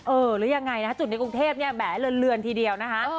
หรือยังไงนะจุดในกรุงเทพเนี่ยแหมเลือนทีเดียวนะคะ